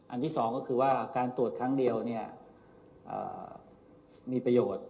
อันที่๒ก็คือว่าการตรวจครั้งเดียวเนี่ยมีประโยชน์